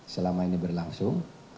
selama ini berlangsung